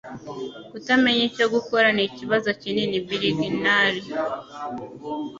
Kutamenya icyo gukora nikibazo kinini bilginhalil